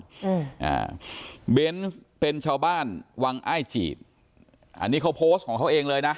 อืมอ่าเบนส์เป็นชาวบ้านวังอ้ายจีดอันนี้เขาโพสต์ของเขาเองเลยนะ